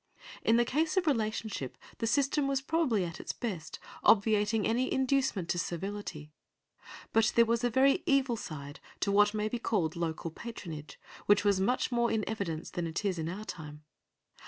In the case of relationship the system was probably at its best, obviating any inducement to servility; but there was a very evil side to what may be called local patronage, which was much more in evidence than it is in our time.